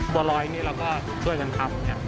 บัวรอยนี้เราก็ช่วยกันทำ